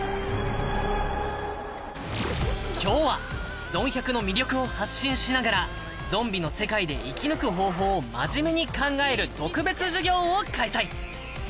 今日は「ゾン１００」の魅力を発信しながらゾンビの世界で生き抜く方法をマジメに考える特別授業を開催。